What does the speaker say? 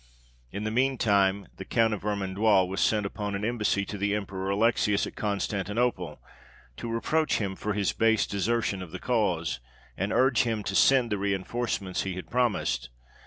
In the mean time the Count of Vermandois was sent upon an embassy to the Emperor Alexius at Constantinople, to reproach him for his base desertion of the cause, and urge him to send the reinforcements he had promised.